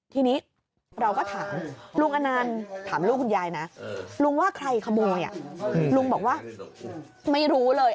ทีนี้เราก็ถามลุงอนันต์ถามลูกคุณยายนะลุงว่าใครขโมยลุงบอกว่าไม่รู้เลย